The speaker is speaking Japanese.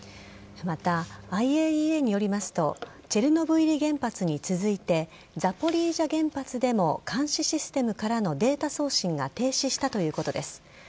また、ＩＡＥＡによりますとチェルノブイリ原発に続いてザポリージャ原発でも監視システムからのデータ送信が停止したということです。